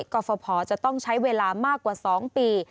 กรฟภจะต้องใช้เวลามากกว่า๒ปี